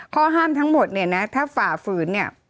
ข้อห้ามทั้งหมดเนี่ยนะถ้าฝ่าฝืนเนี่ย